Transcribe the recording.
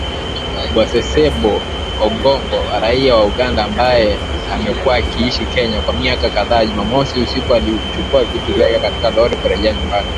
Bw Ssebbo Ogongo, raia wa Uganda, ambaye amekuwa akiishi Kenya, kwa miaka kadhaa, Jumamosi usiku alichukua vitu vyake katika lori kurejea nyumbani